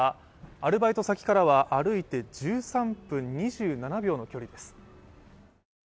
アルバイト先からは歩いて１３分２７秒の距離です。